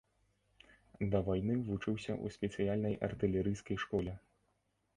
Да вайны вучыўся ў спецыяльнай артылерыйскай школе.